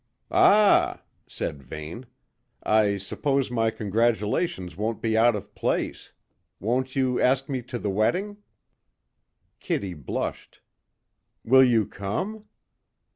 "Ah!" said Vane, "I suppose my congratulations won't be out of place. Won't you ask me to the wedding?" Kitty blushed. "Will you come?"